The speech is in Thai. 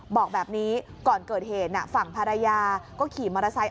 บอกแบบนี้ก่อนเกิดเหตุฝั่งภรรยาก็ขี่มอเตอร์ไซค์